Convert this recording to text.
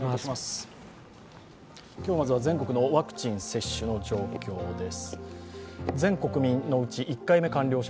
今日、まずは全国の接種の状況です。